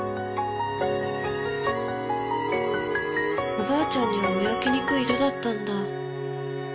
おばあちゃんには見分けにくい色だったんだ。